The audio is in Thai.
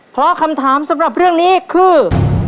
เพราะคำถามสำหรับเรื่องนี้คือ